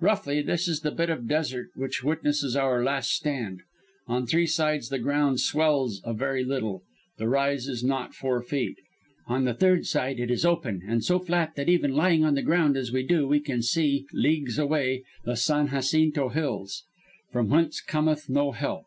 Roughly, this is the bit of desert which witnesses our 'last stand.' On three sides the ground swells a very little the rise is not four feet. On the third side it is open, and so flat that even lying on the ground as we do we can see (leagues away) the San Jacinto hills 'from whence cometh no help.'